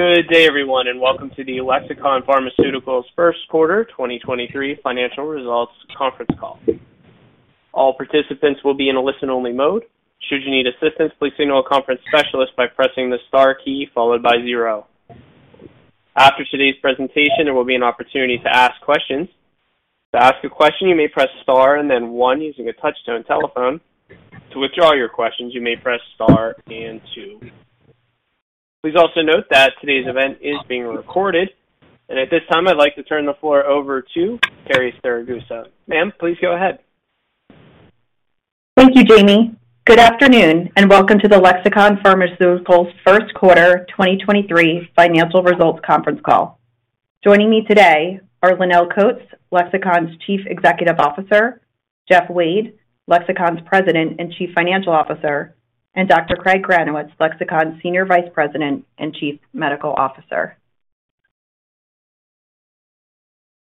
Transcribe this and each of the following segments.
Good day, everyone, and welcome to the Lexicon Pharmaceuticals First Quarter 2023 Financial Results Conference Call. All participants will be in a listen-only mode. Should you need assistance, please signal a conference specialist by pressing the star key followed by zero. After today's presentation, there will be an opportunity to ask questions. To ask a question, you may press star and then one using a touch-tone telephone. To withdraw your questions, you may press star and two. Please also note that today's event is being recorded. At this time, I'd like to turn the floor over to Carrie Siragusa. Ma'am, please go ahead. Thank you, Jamie. Good afternoon, and welcome to the Lexicon Pharmaceuticals First Quarter 2023 Financial Results Conference Call. Joining me today are Lonnel Coats, Lexicon's Chief Executive Officer, Jeff Wade, Lexicon's President and Chief Financial Officer, and Dr. Craig Granowitz, Lexicon's Senior Vice President and Chief Medical Officer.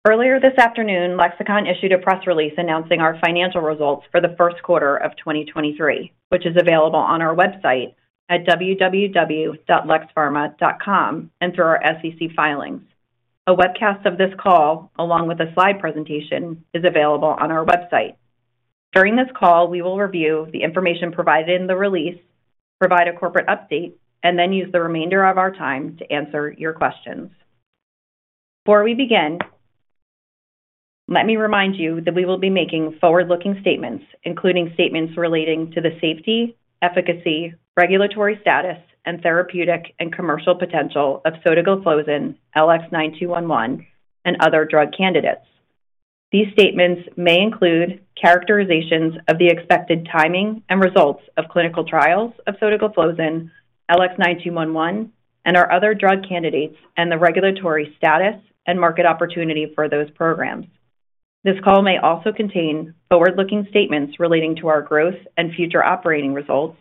Earlier this afternoon, Lexicon issued a press release announcing our financial results for the first quarter of 2023, which is available on our website at www.lexpharma.com and through our SEC filings. A webcast of this call, along with a slide presentation, is available on our website. During this call, we will review the information provided in the release, provide a corporate update, and then use the remainder of our time to answer your questions. Before we begin, let me remind you that we will be making forward-looking statements, including statements relating to the safety, efficacy, regulatory status, and therapeutic and commercial potential of sotagliflozin, LX9211, and other drug candidates. These statements may include characterizations of the expected timing and results of clinical trials of sotagliflozin, LX9211, and our other drug candidates, and the regulatory status and market opportunity for those programs. This call may also contain forward-looking statements relating to our growth and future operating results,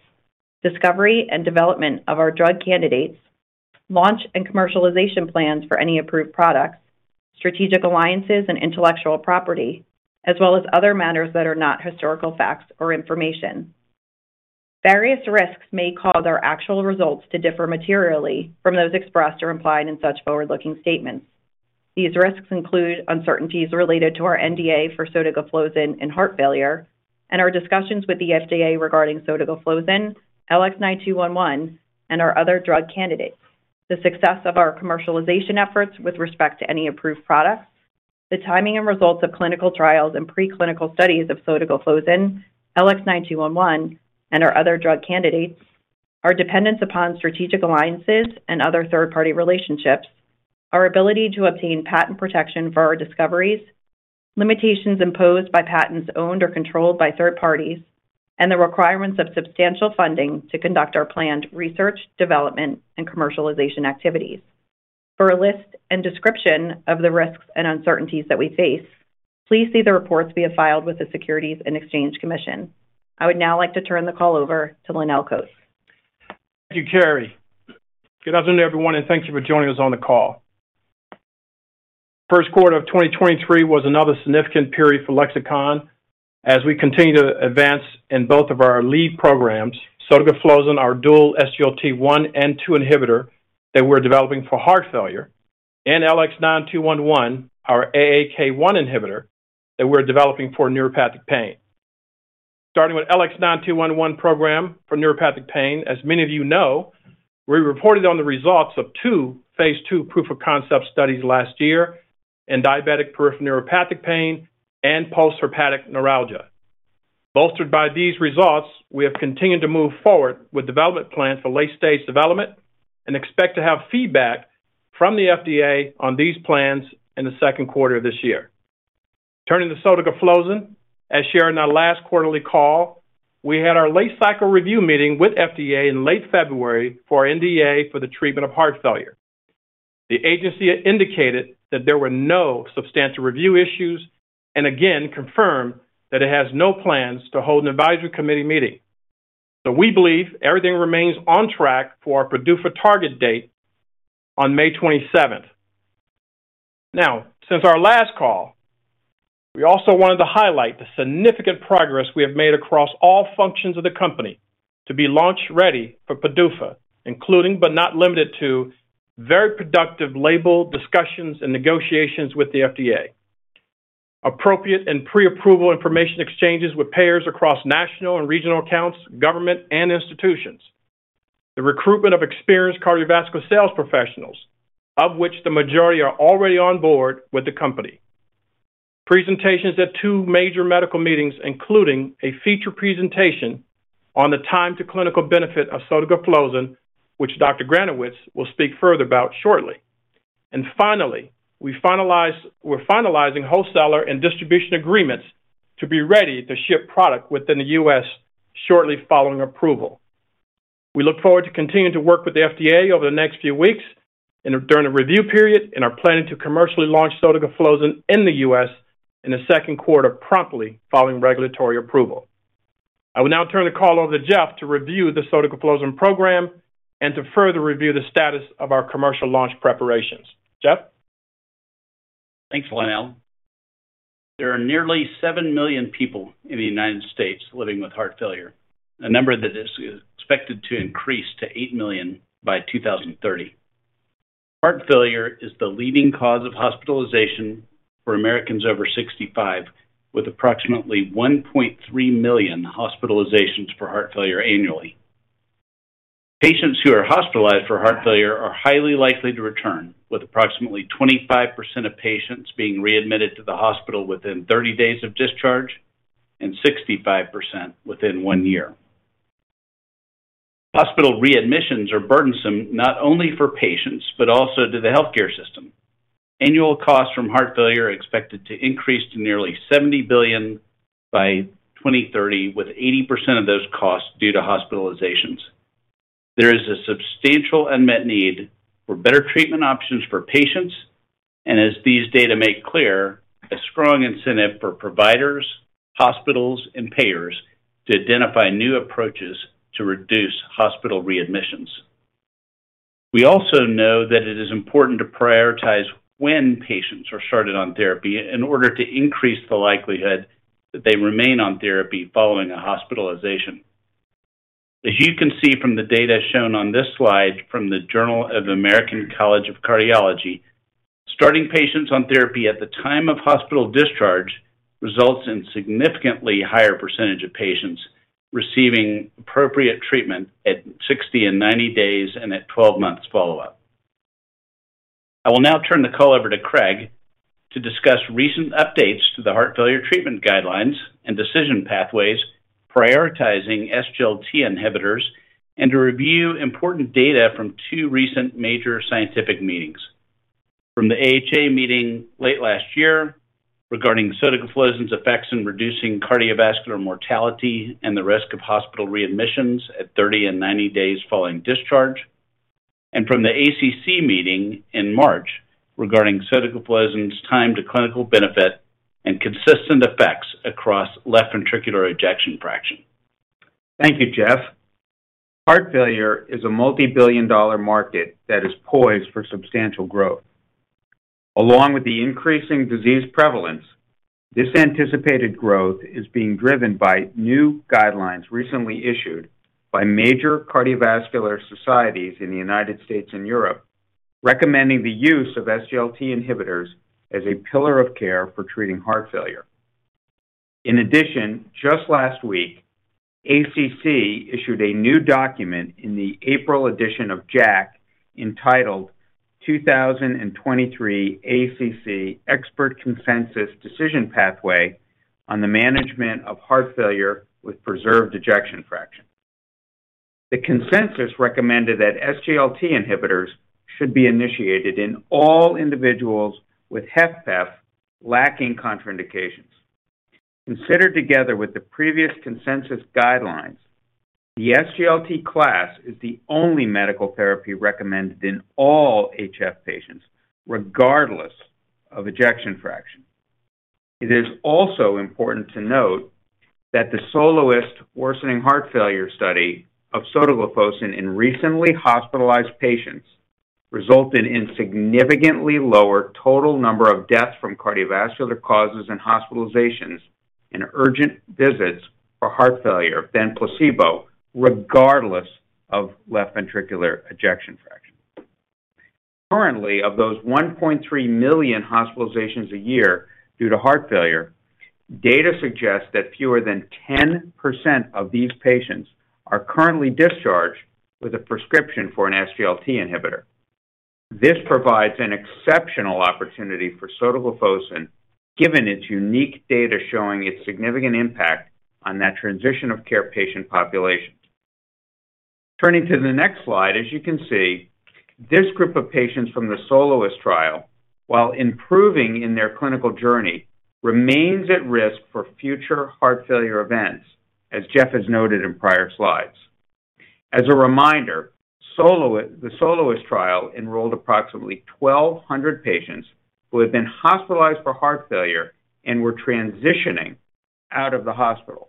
discovery and development of our drug candidates, launch and commercialization plans for any approved products, strategic alliances and intellectual property, as well as other matters that are not historical facts or information. Various risks may cause our actual results to differ materially from those expressed or implied in such forward-looking statements. These risks include uncertainties related to our NDA for sotagliflozin in heart failure and our discussions with the FDA regarding sotagliflozin, LX9211, and our other drug candidates, the success of our commercialization efforts with respect to any approved products, the timing and results of clinical trials and pre-clinical studies of sotagliflozin, LX9211, and our other drug candidates, our dependence upon strategic alliances and other third-party relationships, our ability to obtain patent protection for our discoveries, limitations imposed by patents owned or controlled by third parties, and the requirements of substantial funding to conduct our planned research, development, and commercialization activities. For a list and description of the risks and uncertainties that we face, please see the reports we have filed with the Securities and Exchange Commission. I would now like to turn the call over to Lonnel Coats. Thank you, Carrie. Good afternoon, everyone, and thank you for joining us on the call. First quarter of 2023 was another significant period for Lexicon as we continue to advance in both of our lead programs, sotagliflozin, our dual SGLT1 and 2 inhibitor that we're developing for heart failure, and LX9211, our AAK1 inhibitor that we're developing for neuropathic pain. Starting with LX9211 program for neuropathic pain, as many of you know, we reported on the results of 2 phase 2 proof-of-concept studies last year in diabetic peripheral neuropathic pain and postherpetic neuralgia. Bolstered by these results, we have continued to move forward with development plans for late stage development and expect to have feedback from the FDA on these plans in the second quarter of this year. Turning to sotagliflozin, as shared in our last quarterly call, we had our late-cycle review meeting with FDA in late February for NDA for the treatment of heart failure. The agency had indicated that there were no substantial review issues, and again, confirmed that it has no plans to hold an advisory committee meeting. We believe everything remains on track for our PDUFA target date on May 27th. Since our last call, we also wanted to highlight the significant progress we have made across all functions of the company to be launch-ready for PDUFA, including, but not limited to, very productive label discussions and negotiations with the FDA. Appropriate and pre-approval information exchanges with payers across national and regional accounts, government and institutions. The recruitment of experienced cardiovascular sales professionals, of which the majority are already on board with the company. Presentations at two major medical meetings, including a feature presentation on the time to clinical benefit of sotagliflozin, which Dr. Granowitz will speak further about shortly. Finally, we're finalizing wholesaler and distribution agreements to be ready to ship product within the U.S. shortly following approval. We look forward to continuing to work with the FDA over the next few weeks and during the review period and are planning to commercially launch sotagliflozin in the U.S. in the second quarter promptly following regulatory approval. I will now turn the call over to Jeff to review the sotagliflozin program and to further review the status of our commercial launch preparations. Jeff? Thanks, Lonnel. There are nearly 7 million people in the United States living with heart failure, a number that is expected to increase to 8 million by 2030. Heart failure is the leading cause of hospitalization for Americans over 65, with approximately 1.3 million hospitalizations for heart failure annually. Patients who are hospitalized for heart failure are highly likely to return, with approximately 25% of patients being readmitted to the hospital within 30 days of discharge and 65% within 1 year. Hospital readmissions are burdensome, not only for patients, but also to the healthcare system. Annual costs from heart failure are expected to increase to nearly $70 billion by 2030, with 80% of those costs due to hospitalizations. There is a substantial unmet need for better treatment options for patients, and as these data make clear, a strong incentive for providers, hospitals, and payers to identify new approaches to reduce hospital readmissions. We also know that it is important to prioritize when patients are started on therapy in order to increase the likelihood that they remain on therapy following a hospitalization. As you can see from the data shown on this slide from the Journal of American College of Cardiology, starting patients on therapy at the time of hospital discharge results in significantly higher percentage of patients receiving appropriate treatment at 60 and 90 days and at 12 months follow-up. I will now turn the call over to Craig to discuss recent updates to the heart failure treatment guidelines and decision pathways prioritizing SGLT inhibitors and to review important data from two recent major scientific meetings. From the AHA meeting late last year regarding sotagliflozin's effects in reducing cardiovascular mortality and the risk of hospital readmissions at 30 and 90 days following discharge, and from the ACC meeting in March regarding sotagliflozin's time to clinical benefit and consistent effects across left ventricular ejection fraction. Thank you, Jeff. Heart failure is a multibillion-dollar market that is poised for substantial growth. Along with the increasing disease prevalence, this anticipated growth is being driven by new guidelines recently issued by major cardiovascular societies in the United States and Europe recommending the use of SGLT inhibitors as a pillar of care for treating heart failure. In addition, just last week, ACC issued a new document in the April edition of JACC entitled "2023 ACC Expert Consensus Decision Pathway on the Management of Heart Failure with Preserved Ejection Fraction." The consensus recommended that SGLT inhibitors should be initiated in all individuals with HFpEF lacking contraindications. Considered together with the previous consensus guidelines, the SGLT class is the only medical therapy recommended in all HF patients, regardless of ejection fraction. It is also important to note that the SOLOIST-WHF worsening heart failure study of sotagliflozin in recently hospitalized patients resulted in significantly lower total number of deaths from cardiovascular causes and hospitalizations and urgent visits for heart failure than placebo, regardless of left ventricular ejection fraction. Currently, of those 1.3 million hospitalizations a year due to heart failure, data suggests that fewer than 10% of these patients are currently discharged with a prescription for an SGLT inhibitor. This provides an exceptional opportunity for sotagliflozin, given its unique data showing its significant impact on that transition of care patient populations. Turning to the next slide, as you can see, this group of patients from the SOLOIST-WHF trial, while improving in their clinical journey, remains at risk for future heart failure events, as Jeff has noted in prior slides. As a reminder, the SOLOIST-WHF trial enrolled approximately 1,200 patients who had been hospitalized for heart failure and were transitioning out of the hospital.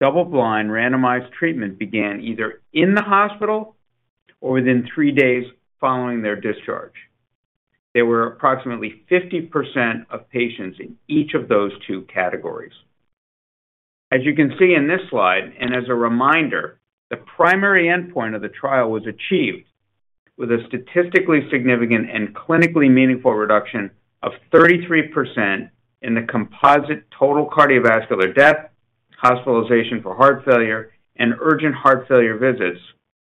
Double-blind randomized treatment began either in the hospital or within three days following their discharge. There were approximately 50% of patients in each of those two categories. As you can see in this slide, as a reminder, the primary endpoint of the trial was achieved with a statistically significant and clinically meaningful reduction of 33% in the composite total cardiovascular death, hospitalization for heart failure, and urgent heart failure visits,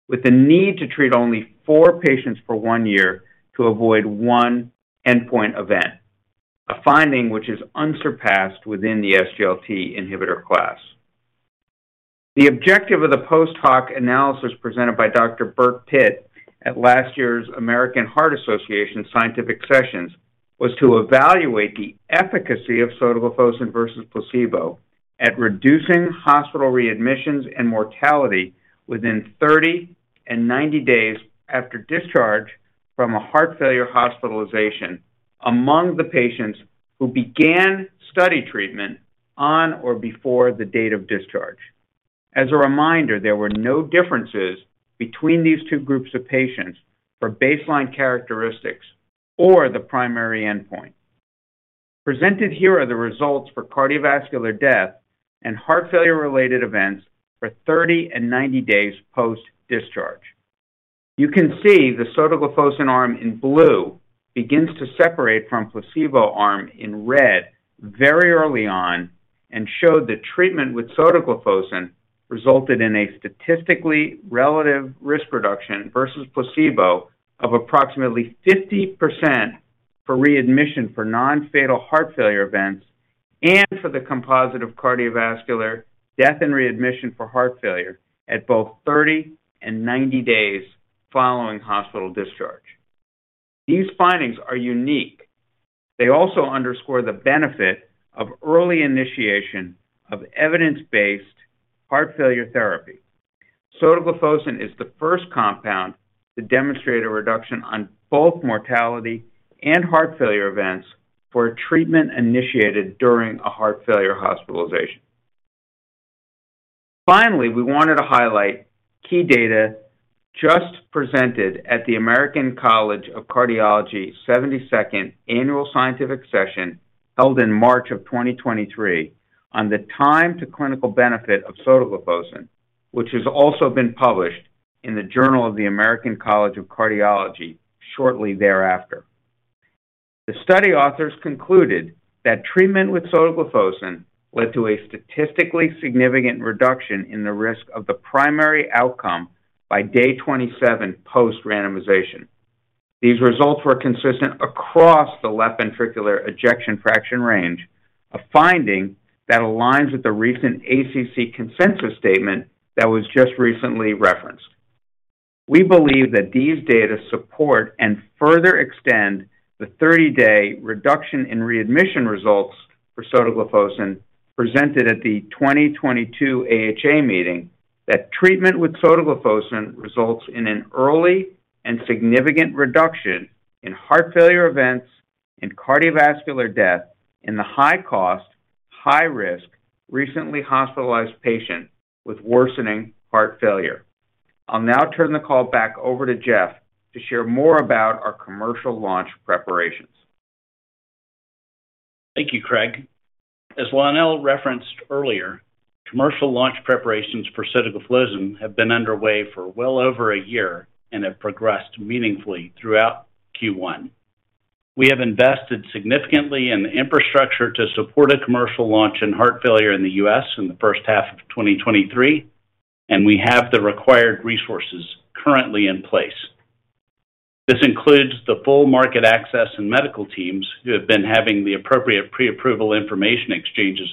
with the need to treat only four patients for one year to avoid one endpoint event, a finding which is unsurpassed within the SGLT inhibitor class. The objective of the post-hoc analysis presented by Dr. Bertram Pitt at last year's American Heart Association Scientific Sessions was to evaluate the efficacy of sotagliflozin versus placebo at reducing hospital readmissions and mortality within 30 and 90 days after discharge from a heart failure hospitalization among the patients who began study treatment on or before the date of discharge. As a reminder, there were no differences between these two groups of patients for baseline characteristics or the primary endpoint. Presented here are the results for cardiovascular death and heart failure-related events for 30 and 90 days post-discharge. You can see the sotagliflozin arm in blue begins to separate from placebo arm in red very early on and showed that treatment with sotagliflozin resulted in a statistically relative risk reduction versus placebo of approximately 50% for readmission for non-fatal heart failure events and for the composite of cardiovascular death and readmission for heart failure at both 30 and 90 days following hospital discharge. These findings are unique. They also underscore the benefit of early initiation of evidence-based heart failure therapy. Sotagliflozin is the first compound to demonstrate a reduction on both mortality and heart failure events for treatment initiated during a heart failure hospitalization. We wanted to highlight key data just presented at the American College of Cardiology 72nd Annual Scientific Session held in March 2023 on the time to clinical benefit of sotagliflozin, which has also been published in the Journal of the American College of Cardiology shortly thereafter. The study authors concluded that treatment with sotagliflozin led to a statistically significant reduction in the risk of the primary outcome by day 27 post-randomization. These results were consistent across the left ventricular ejection fraction range, a finding that aligns with the recent ACC consensus statement that was just recently referenced. We believe that these data support and further extend the 30-day reduction in readmission results for sotagliflozin presented at the 2022 AHA meeting that treatment with sotagliflozin results in an early and significant reduction in heart failure events and cardiovascular death in the high cost, high risk, recently hospitalized patient with worsening heart failure. I'll now turn the call back over to Jeff to share more about our commercial launch preparations. Thank you, Craig. As Lonnel referenced earlier, commercial launch preparations for sotagliflozin have been underway for well over a year and have progressed meaningfully throughout Q1. We have invested significantly in the infrastructure to support a commercial launch in heart failure in the U.S. in the first half of 2023, and we have the required resources currently in place. This includes the full market access and medical teams who have been having the appropriate pre-approval information exchanges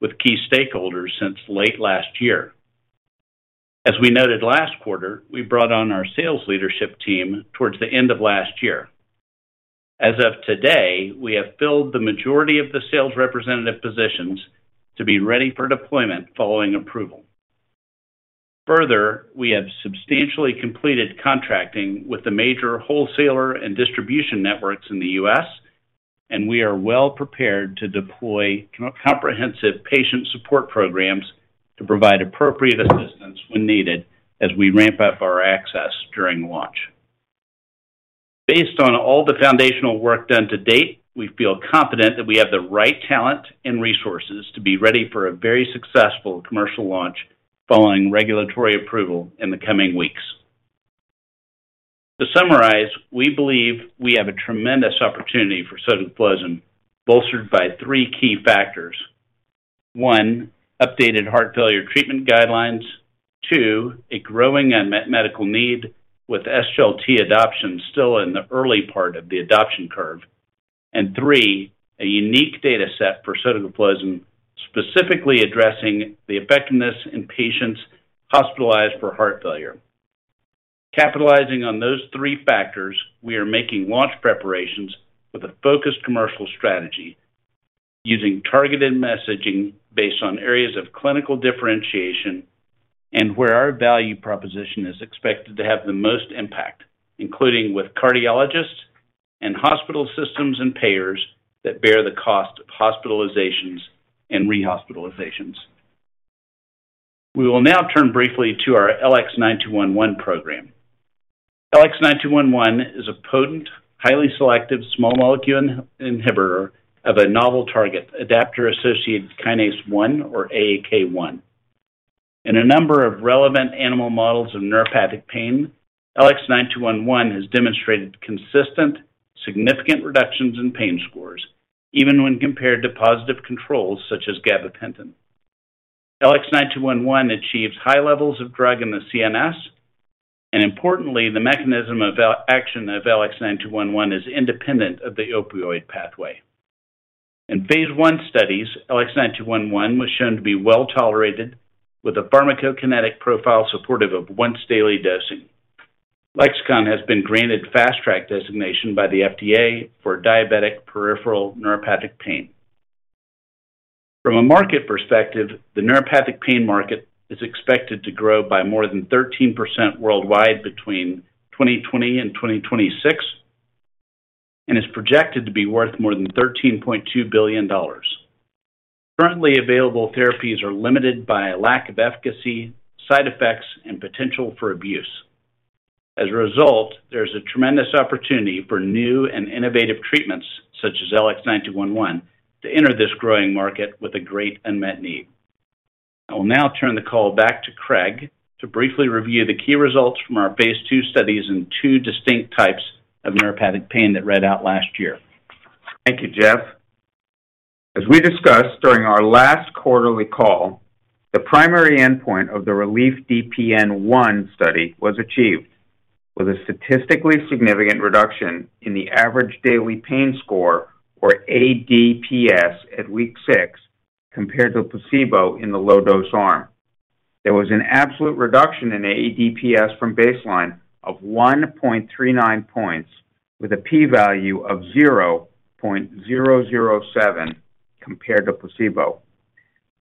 with key stakeholders since late last year. As we noted last quarter, we brought on our sales leadership team towards the end of last year. As of today, we have filled the majority of the sales representative positions to be ready for deployment following approval. We have substantially completed contracting with the major wholesaler and distribution networks in the US, and we are well-prepared to deploy comprehensive patient support programs to provide appropriate assistance when needed as we ramp up our access during launch. Based on all the foundational work done to date, we feel confident that we have the right talent and resources to be ready for a very successful commercial launch following regulatory approval in the coming weeks. To summarize, we believe we have a tremendous opportunity for sotagliflozin, bolstered by three key factors. One, updated heart failure treatment guidelines. Two, a growing unmet medical need with SGLT adoption still in the early part of the adoption curve. Three, a unique data set for sotagliflozin, specifically addressing the effectiveness in patients hospitalized for heart failure. Capitalizing on those three factors, we are making launch preparations with a focused commercial strategy using targeted messaging based on areas of clinical differentiation and where our value proposition is expected to have the most impact, including with cardiologists and hospital systems and payers that bear the cost of hospitalizations and rehospitalizations. We will now turn briefly to our LX9211 program. LX9211 is a potent, highly selective small molecule inhibitor of a novel target, adaptor-associated kinase 1 or AAK1. In a number of relevant animal models of neuropathic pain, LX9211 has demonstrated consistent, significant reductions in pain scores, even when compared to positive controls such as gabapentin. LX9211 achieves high levels of drug in the CNS, and importantly, the mechanism of action of LX9211 is independent of the opioid pathway. In phase one studies, LX9211 was shown to be well-tolerated with a pharmacokinetic profile supportive of once-daily dosing. Lexicon has been granted Fast Track designation by the FDA for diabetic peripheral neuropathic pain. From a market perspective, the neuropathic pain market is expected to grow by more than 13% worldwide between 2020 and 2026. Is projected to be worth more than $13.2 billion. Currently available therapies are limited by a lack of efficacy, side effects, and potential for abuse. As a result, there's a tremendous opportunity for new and innovative treatments, such as LX9211, to enter this growing market with a great unmet need. I will now turn the call back to Craig to briefly review the key results from our phase 2 studies in two distinct types of neuropathic pain that read out last year. Thank you, Jeff. As we discussed during our last quarterly call, the primary endpoint of the RELIEF-DPN-1 study was achieved with a statistically significant reduction in the average daily pain score, or ADPS, at week 6 compared to placebo in the low dose arm. There was an absolute reduction in ADPS from baseline of 1.39 points with a p-value of 0.007 compared to placebo.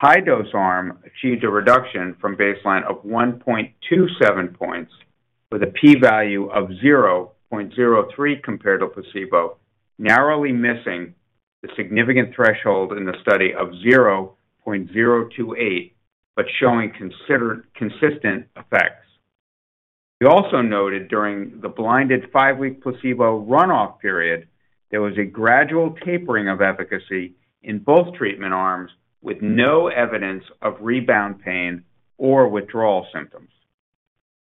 High dose arm achieved a reduction from baseline of 1.27 points with a p-value of 0.03 compared to placebo, narrowly missing the significant threshold in the study of 0.028 but showing consistent effects. We also noted during the blinded 5-week placebo run-off period, there was a gradual tapering of efficacy in both treatment arms with no evidence of rebound pain or withdrawal symptoms.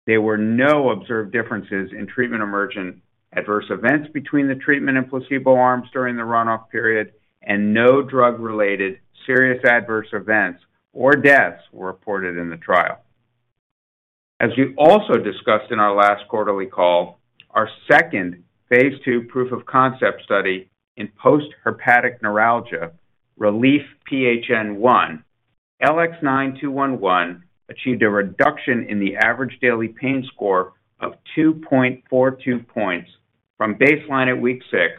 There were no observed differences in treatment-emergent adverse events between the treatment and placebo arms during the run-off period. No drug-related serious adverse events or deaths were reported in the trial. As we also discussed in our last quarterly call, our second phase 2 proof-of-concept study in postherpetic neuralgia, RELIEF-PHN-1, LX9211 achieved a reduction in the average daily pain score of 2.42 points from baseline at week six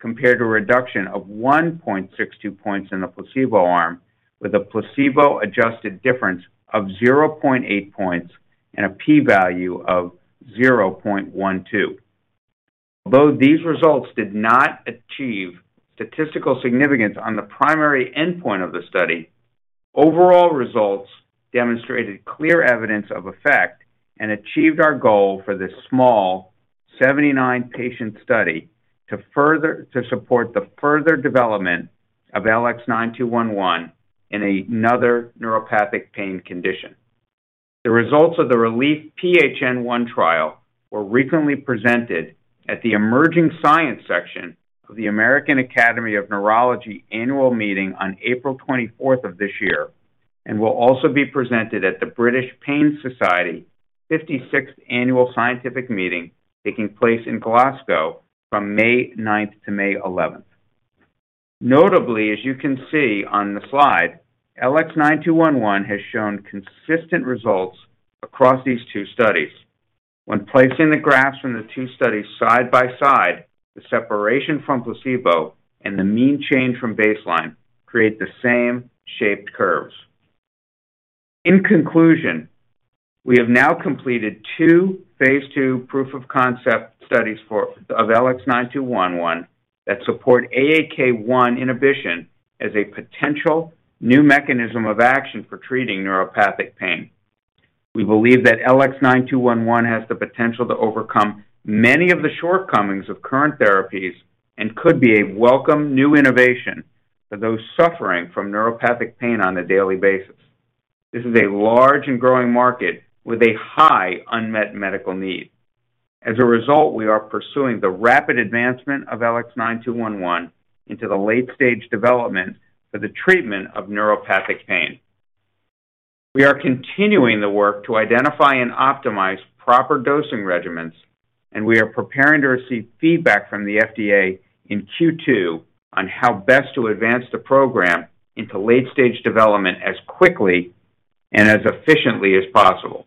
compared to a reduction of 1.62 points in the placebo arm with a placebo-adjusted difference of 0.8 points and a p-value of 0.12. Although these results did not achieve statistical significance on the primary endpoint of the study, overall results demonstrated clear evidence of effect and achieved our goal for this small 79 patient study to support the further development of LX9211 in another neuropathic pain condition. The results of the RELIEF-PHN-1 trial were recently presented at the Emerging Science section of the American Academy of Neurology Annual Meeting on April twenty-fourth of this year, will also be presented at the British Pain Society fifty-sixth Annual Scientific Meeting taking place in Glasgow from May ninth to May eleventh. Notably, as you can see on the slide, LX9211 has shown consistent results across these two studies. When placing the graphs from the two studies side by side, the separation from placebo and the mean change from baseline create the same shaped curves. In conclusion, we have now completed two phase 2 proof-of-concept studies of LX9211 that support AAK1 inhibition as a potential new mechanism of action for treating neuropathic pain. We believe that LX9211 has the potential to overcome many of the shortcomings of current therapies and could be a welcome new innovation for those suffering from neuropathic pain on a daily basis. This is a large and growing market with a high unmet medical need. We are pursuing the rapid advancement of LX9211 into the late-stage development for the treatment of neuropathic pain. We are continuing the work to identify and optimize proper dosing regimens, and we are preparing to receive feedback from the FDA in Q2 on how best to advance the program into late-stage development as quickly and as efficiently as possible.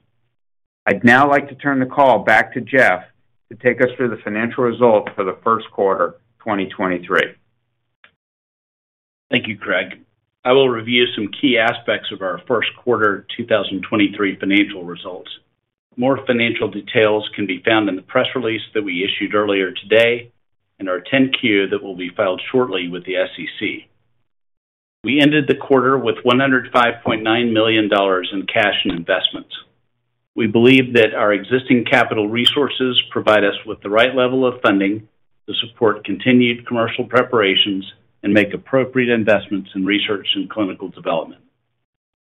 I'd now like to turn the call back to Jeff to take us through the financial results for the first quarter 2023. Thank you, Craig. I will review some key aspects of our first quarter 2023 financial results. More financial details can be found in the press release that we issued earlier today and our 10-Q that will be filed shortly with the SEC. We ended the quarter with $105.9 million in cash and investments. We believe that our existing capital resources provide us with the right level of funding to support continued commercial preparations and make appropriate investments in research and clinical development.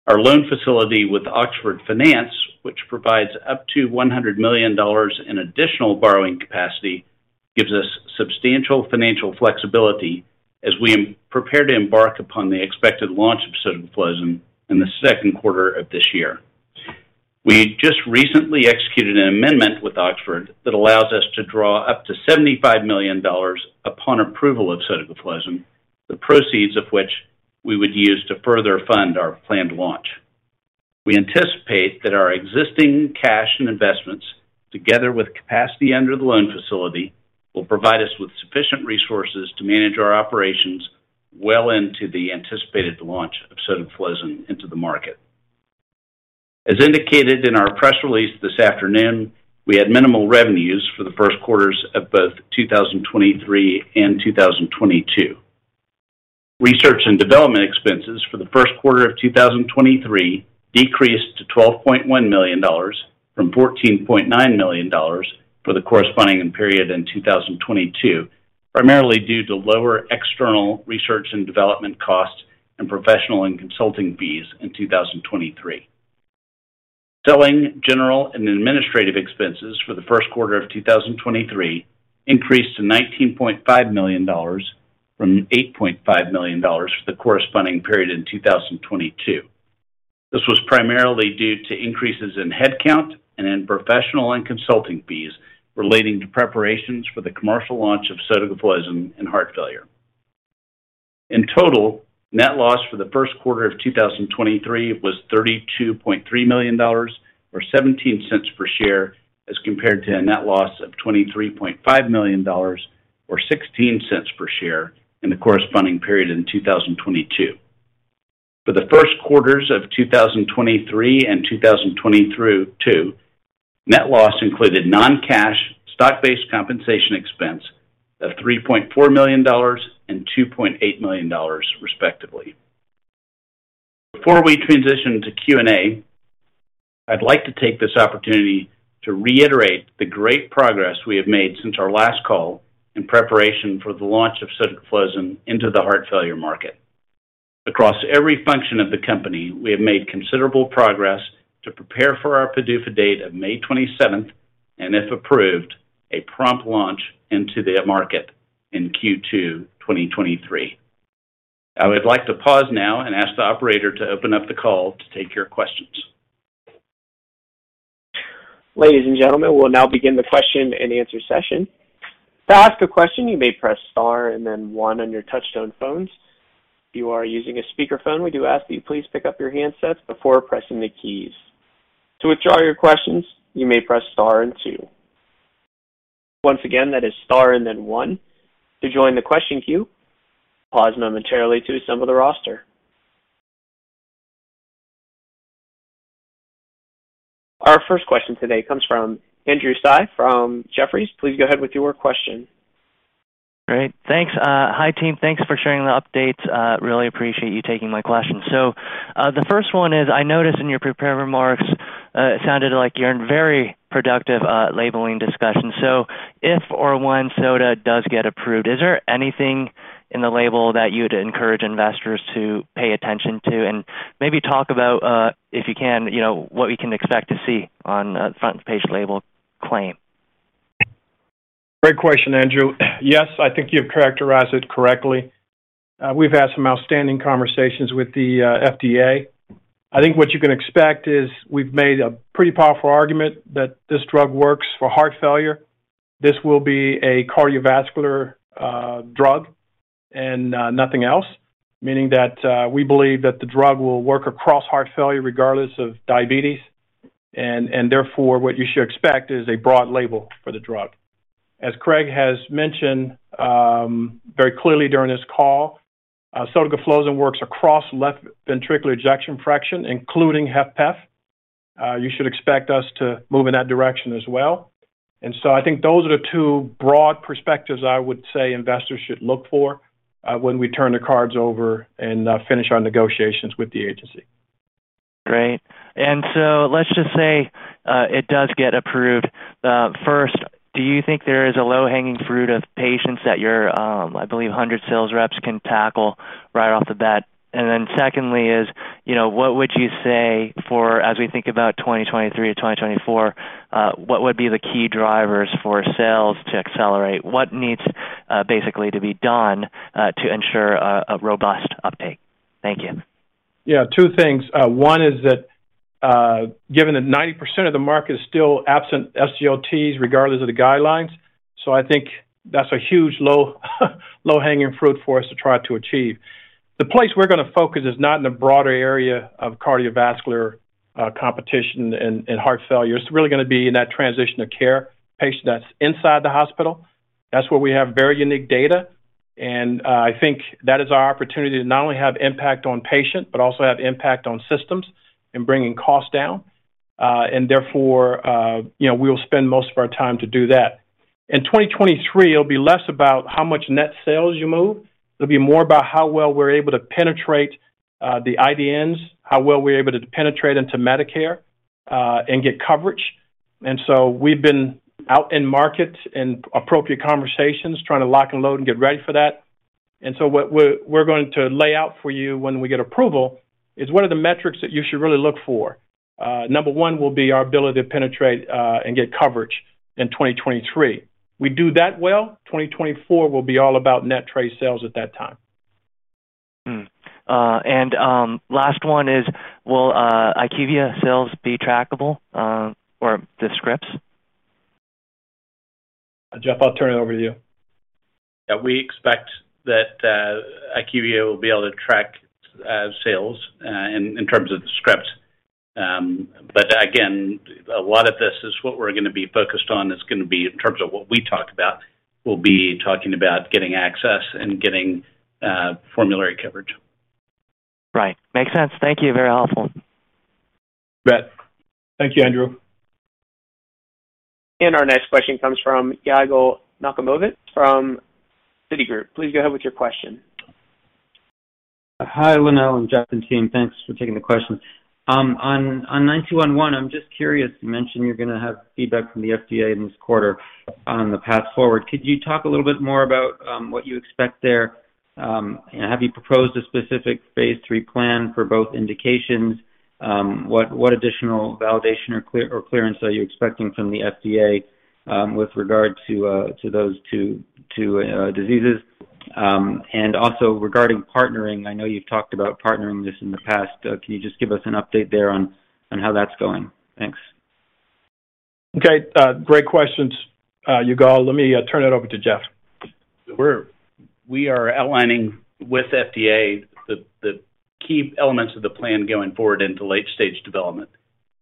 Our loan facility with Oxford Finance, which provides up to $100 million in additional borrowing capacity, gives us substantial financial flexibility as we prepare to embark upon the expected launch of sotagliflozin in the second quarter of this year. We just recently executed an amendment with Oxford that allows us to draw up to $75 million upon approval of sotagliflozin, the proceeds of which we would use to further fund our planned launch. We anticipate that our existing cash and investments, together with capacity under the loan facility, will provide us with sufficient resources to manage our operations well into the anticipated launch of sotagliflozin into the market. As indicated in our press release this afternoon, we had minimal revenues for the first quarters of both 2023 and 2022. Research and development expenses for the first quarter of 2023 decreased to $12.1 million from $14.9 million for the corresponding period in 2022, primarily due to lower external research and development costs and professional and consulting fees in 2023. Selling general and administrative expenses for the first quarter of 2023 increased to $19.5 million from $8.5 million for the corresponding period in 2022. This was primarily due to increases in headcount and in professional and consulting fees relating to preparations for the commercial launch of sotagliflozin in heart failure. In total, net loss for the first quarter of 2023 was $32.3 million, or $0.17 per share, as compared to a net loss of $23.5 million or $0.16 per share in the corresponding period in 2022. For the first quarters of 2023 and 2022, net loss included non-cash stock-based compensation expense of $3.4 million and $2.8 million, respectively. Before we transition to Q&A, I'd like to take this opportunity to reiterate the great progress we have made since our last call in preparation for the launch of sotagliflozin into the heart failure market. Across every function of the company, we have made considerable progress to prepare for our PDUFA date of May 27th, and if approved, a prompt launch into the market in Q2 2023. I would like to pause now and ask the operator to open up the call to take your questions. Ladies and gentlemen, we'll now begin the question-and-answer session. To ask a question, you may press star and then one on your touchtone phones. If you are using a speakerphone, we do ask that you please pick up your handsets before pressing the keys. To withdraw your questions, you may press star and two. Once again, that is star and then one to join the question queue. Pause momentarily to assemble the roster. Our first question today comes from Andrew Tsai from Jefferies. Please go ahead with your question. Great. Thanks. Hi, team. Thanks for sharing the updates. Really appreciate you taking my question. The first one is, I noticed in your prepared remarks, it sounded like you're in very productive, labeling discussions. If or when Sota does get approved, is there anything in the label that you would encourage investors to pay attention to? Maybe talk about, if you can, you know, what we can expect to see on a front page label claim. Great question, Andrew. Yes, I think you've characterized it correctly. We've had some outstanding conversations with the FDA. I think what you can expect is we've made a pretty powerful argument that this drug works for heart failure. This will be a cardiovascular drug and nothing else, meaning that we believe that the drug will work across heart failure regardless of diabetes. Therefore, what you should expect is a broad label for the drug. As Craig has mentioned, very clearly during this call, sotagliflozin works across left ventricular ejection fraction, including HFpEF. You should expect us to move in that direction as well. I think those are the two broad perspectives I would say investors should look for when we turn the cards over and finish our negotiations with the agency. Great. Let's just say it does get approved. First, do you think there is a low-hanging fruit of patients that your, I believe 100 sales reps can tackle right off the bat? Secondly is, you know, what would you say for as we think about 2023 or 2024, what would be the key drivers for sales to accelerate? What needs, basically to be done, to ensure a robust uptake? Thank you. Yeah, two things. One is that, given that 90% of the market is still absent SGLTs, regardless of the guidelines, I think that's a huge low-hanging fruit for us to try to achieve. The place we're gonna focus is not in the broader area of cardiovascular, competition and heart failure. It's really gonna be in that transition of care patient that's inside the hospital. That's where we have very unique data, I think that is our opportunity to not only have impact on patient, but also have impact on systems in bringing costs down. Therefore, you know, we'll spend most of our time to do that. In 2023, it'll be less about how much net sales you move. It'll be more about how well we're able to penetrate the IDNs, how well we're able to penetrate into Medicare and get coverage. We've been out in market and appropriate conversations trying to lock and load and get ready for that. What we're going to lay out for you when we get approval is what are the metrics that you should really look for. Number one will be our ability to penetrate and get coverage in 2023. We do that well, 2024 will be all about net trade sales at that time. Last one is, will IQVIA sales be trackable, or the scripts? Jeff, I'll turn it over to you. Yeah. We expect that IQVIA will be able to track sales in terms of the scripts. Again, a lot of this is what we're gonna be focused on is gonna be in terms of We'll be talking about getting access and getting formulary coverage. Right. Makes sense. Thank you. Very helpful. You bet. Thank you, Andrew. Our next question comes from Yigal Nochomovitz from Citigroup. Please go ahead with your question. Hi, Lonnel and Jeff and team. Thanks for taking the question. On 9211, I'm just curious, you mentioned you're gonna have feedback from the FDA in this quarter on the path forward. Could you talk a little bit more about what you expect there, and have you proposed a specific phase 3 plan for both indications? What additional validation or clearance are you expecting from the FDA with regard to those 2 diseases? Also regarding partnering, I know you've talked about partnering this in the past. Can you just give us an update there on how that's going? Thanks. Okay. Great questions, Yigal. Let me turn it over to Jeff. We are outlining with FDA the key elements of the plan going forward into late-stage development.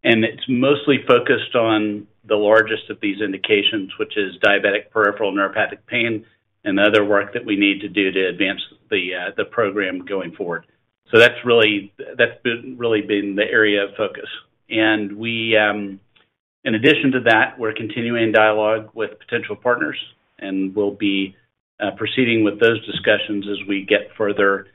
It's mostly focused on the largest of these indications, which is diabetic peripheral neuropathic pain and other work that we need to do to advance the program going forward. That's really been the area of focus. We, in addition to that, we're continuing dialogue with potential partners, and we'll be proceeding with those discussions as we get further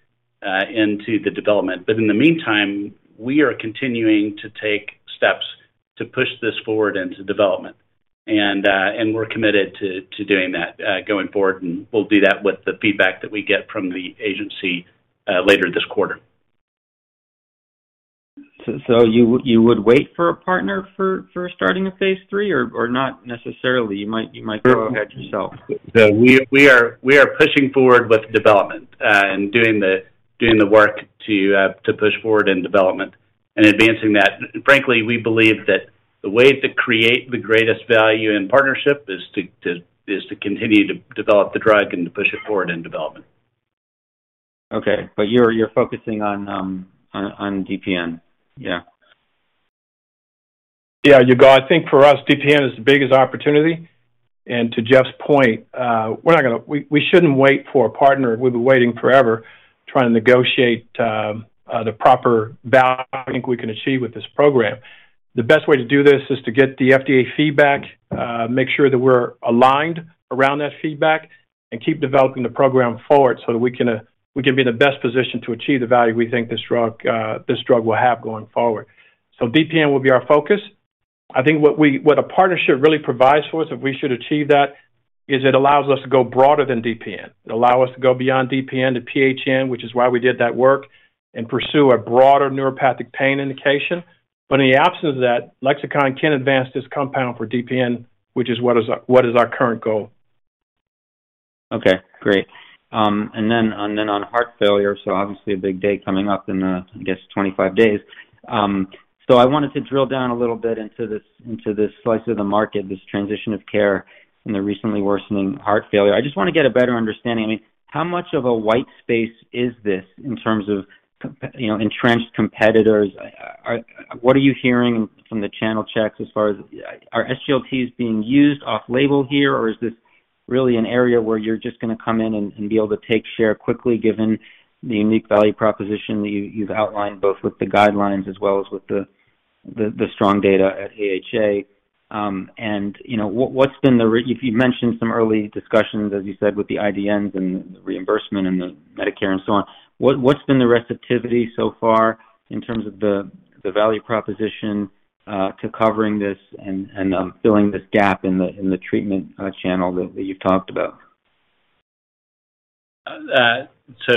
into the development. In the meantime, we are continuing to take steps to push this forward into development. We're committed to doing that going forward, and we'll do that with the feedback that we get from the agency later this quarter. You would wait for a partner for starting a phase three or not necessarily? You might go ahead yourself. No. We are pushing forward with development and doing the work to push forward in development and advancing that. Frankly, we believe that the way to create the greatest value in partnership is to continue to develop the drug and to push it forward in development. Okay. You're focusing on DPN. Yeah. Yeah. Yigal, I think for us, DPN is the biggest opportunity. To Jeff's point, we shouldn't wait for a partner. We'll be waiting forever trying to negotiate the proper value I think we can achieve with this program. The best way to do this is to get the FDA feedback, make sure that we're aligned around that feedback and keep developing the program forward so that we can be in the best position to achieve the value we think this drug will have going forward. DPN will be our focus. I think what a partnership really provides for us, if we should achieve that, is it allows us to go broader than DPN. It'll allow us to go beyond DPN to PHN, which is why we did that work, and pursue a broader neuropathic pain indication. In the absence of that, Lexicon can advance this compound for DPN, which is what is our current goal. Okay, great. Then on heart failure, obviously a big day coming up in, I guess 25 days. I wanted to drill down a little bit into this slice of the market, this transition of care in the recently worsening heart failure. I just wanna get a better understanding. I mean, how much of a white space is this in terms of you know, entrenched competitors? What are you hearing from the channel checks as far as are SGLTs being used off label here, or is this really an area where you're just gonna come in and be able to take share quickly given the unique value proposition that you've outlined both with the guidelines as well as with the strong data at AHA? You know, what's been the re... If you mentioned some early discussions, as you said, with the IDNs and the reimbursement and the Medicare and so on, what's been the receptivity so far in terms of the value proposition to covering this and filling this gap in the treatment channel that you've talked about? So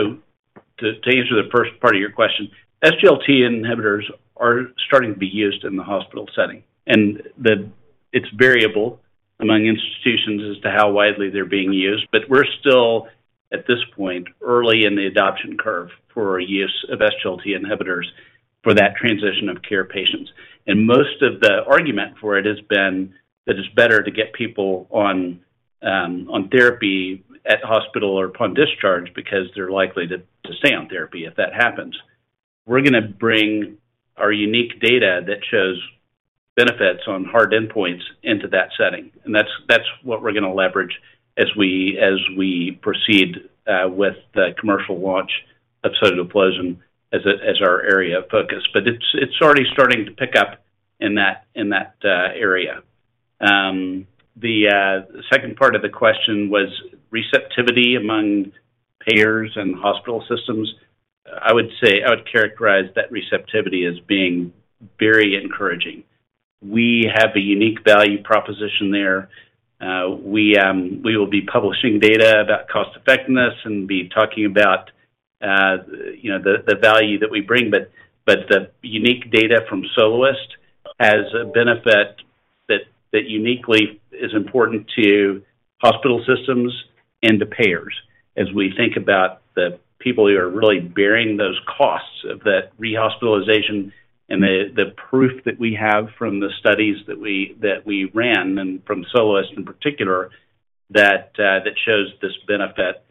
to answer the first part of your question, SGLT inhibitors are starting to be used in the hospital setting. It's variable among institutions as to how widely they're being used. We're still, at this point, early in the adoption curve for use of SGLT inhibitors for that transition of care patients. Most of the argument for it has been that it's better to get people on therapy at hospital or upon discharge because they're likely to stay on therapy if that happens. We're gonna bring our unique data that shows benefits on hard endpoints into that setting. That's what we're gonna leverage as we proceed with the commercial launch of sotagliflozin as our area of focus. It's already starting to pick up in that area. The second part of the question was receptivity among payers and hospital systems. I would say I would characterize that receptivity as being very encouraging. We have a unique value proposition there. We will be publishing data about cost effectiveness and be talking about, you know, the value that we bring, but the unique data from SOLOIST-WHF has a benefit that uniquely is important to hospital systems and to payers as we think about the people who are really bearing those costs of that rehospitalization and the proof that we have from the studies that we ran, and from SOLOIST-WHF in particular, that shows this benefit.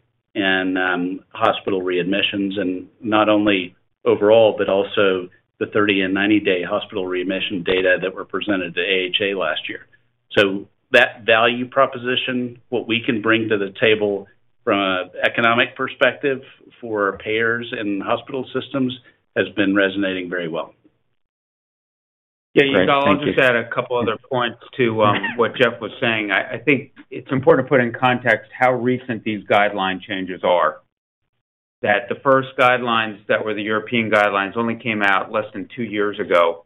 Hospital readmissions, not only overall, but also the 30 and 90-day hospital readmission data that were presented to AHA last year. That value proposition, what we can bring to the table from an economic perspective for payers and hospital systems has been resonating very well. Yeah. I'll just add 2 other points to what Jeff was saying. I think it's important to put in context how recent these guideline changes are, that the first guidelines that were the European guidelines only came out less than 2 years ago.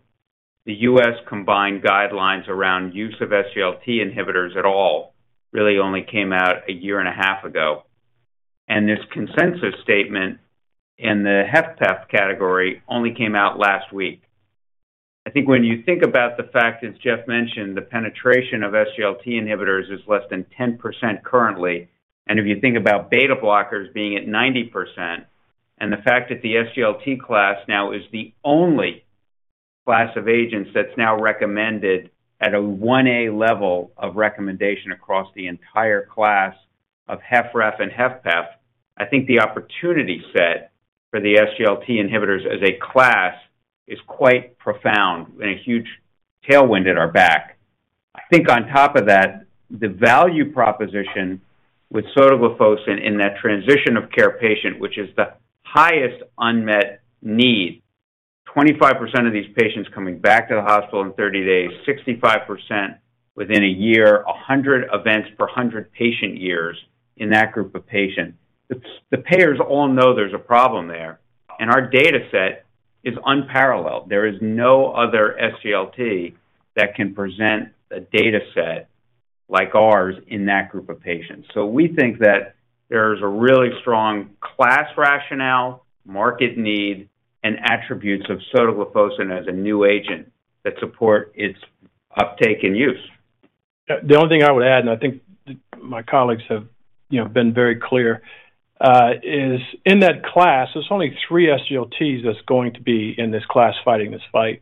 The U.S. combined guidelines around use of SGLT inhibitors at all really only came out 1.5 years ago. This consensus statement in the HFpEF category only came out last week. I think when you think about the fact, as Jeff mentioned, the penetration of SGLT inhibitors is less than 10% currently. If you think about beta blockers being at 90%, and the fact that the SGLT class now is the only class of agents that's now recommended at a 1A level of recommendation across the entire class of HFrEF and HFpEF. I think the opportunity set for the SGLT inhibitors as a class is quite profound and a huge tailwind at our back. I think on top of that, the value proposition with sotagliflozin in that transition of care patient, which is the highest unmet need, 25% of these patients coming back to the hospital in 30 days, 65% within 1 year, 100 events per 100 patient years in that group of patients. The payers all know there's a problem there, and our data set is unparalleled. There is no other SGLT that can present a data set like ours in that group of patients. We think that there's a really strong class rationale, market need, and attributes of sotagliflozin as a new agent that support its uptake and use. The only thing I would add, and I think my colleagues have, you know, been very clear, is in that class, there's only three SGLTs that's going to be in this class fighting this fight.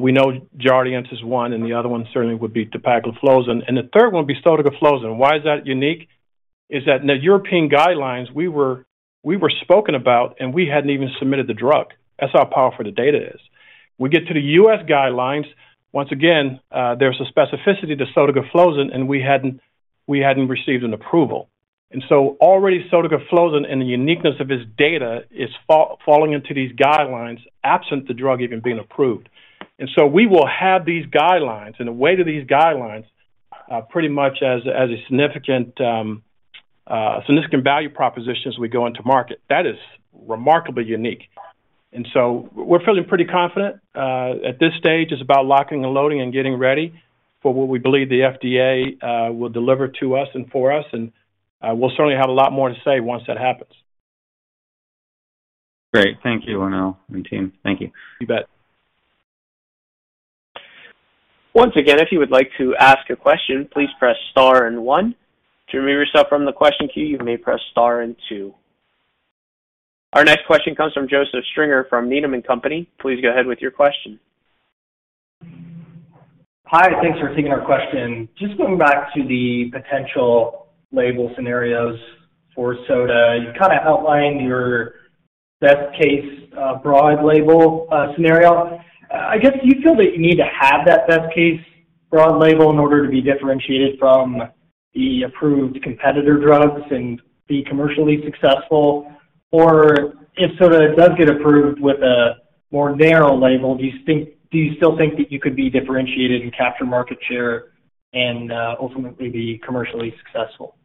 We know Jardiance is one, and the other one certainly would be dapagliflozin, and the third one would be sotagliflozin. Why is that unique? Is that in the European guidelines, we were spoken about, and we hadn't even submitted the drug. That's how powerful the data is. We get to the US guidelines, once again, there's a specificity to sotagliflozin, and we hadn't received an approval. Already sotagliflozin and the uniqueness of this data is falling into these guidelines absent the drug even being approved. We will have these guidelines and the weight of these guidelines, pretty much as a significant value proposition as we go into market. That is remarkably unique. We're feeling pretty confident. At this stage, it's about locking and loading and getting ready for what we believe the FDA will deliver to us and for us. We'll certainly have a lot more to say once that happens. Great. Thank you, Lonnel and team. Thank you. You bet. Once again, if you would like to ask a question, please press star and one. To remove yourself from the question queue, you may press star and two. Our next question comes from Joseph Stringer from Needham & Company. Please go ahead with your question. Hi, thanks for taking our question. Just going back to the potential label scenarios for Sota. You kind of outlined your best case broad label scenario. I guess, do you feel that you need to have that best case broad label in order to be differentiated from the approved competitor drugs and be commercially successful? Or if Sota does get approved with a more narrow label, do you still think that you could be differentiated and capture market share and ultimately be commercially successful?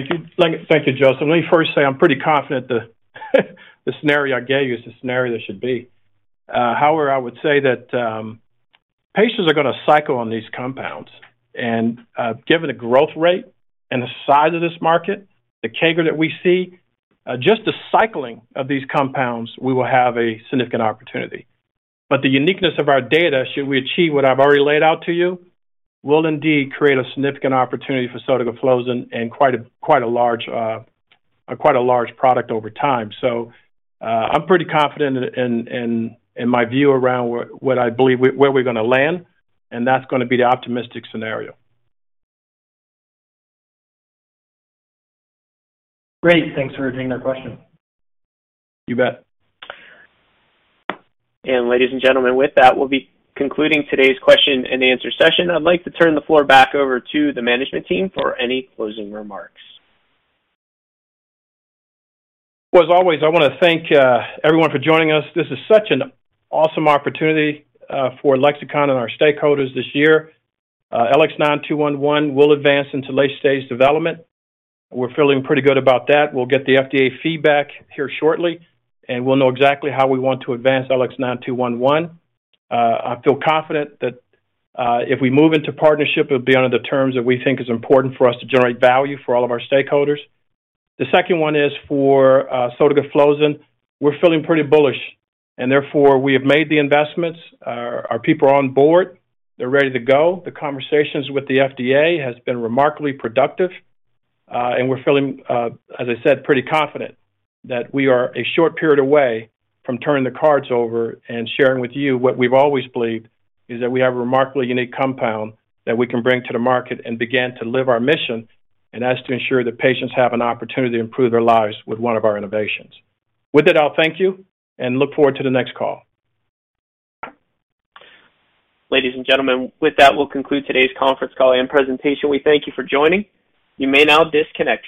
Thank you, Joseph. Let me first say I'm pretty confident the scenario I gave you is the scenario that should be. I would say that patients are gonna cycle on these compounds. Given the growth rate and the size of this market, the CAGR that we see, just the cycling of these compounds, we will have a significant opportunity. The uniqueness of our data, should we achieve what I've already laid out to you, will indeed create a significant opportunity for sotagliflozin and quite a large product over time. I'm pretty confident in my view around where, what I believe where we're gonna land, and that's gonna be the optimistic scenario. Great. Thanks for taking that question. You bet. Ladies and gentlemen, with that, we'll be concluding today's question and answer session. I'd like to turn the floor back over to the management team for any closing remarks. As always, I wanna thank, everyone for joining us. This is such an awesome opportunity, for Lexicon and our stakeholders this year. LX9211 will advance into late-stage development. We're feeling pretty good about that. We'll get the FDA feedback here shortly, and we'll know exactly how we want to advance LX9211. I feel confident that, if we move into partnership, it'll be under the terms that we think is important for us to generate value for all of our stakeholders. The second one is for, sotagliflozin. We're feeling pretty bullish, and therefore we have made the investments. Our people are on board. They're ready to go. The conversations with the FDA has been remarkably productive. We're feeling, as I said, pretty confident that we are a short period away from turning the cards over and sharing with you what we've always believed, is that we have a remarkably unique compound that we can bring to the market and begin to live our mission, and that's to ensure that patients have an opportunity to improve their lives with one of our innovations. With that, I'll thank you and look forward to the next call. Ladies and gentlemen, with that, we'll conclude today's conference call and presentation. We thank you for joining. You may now disconnect.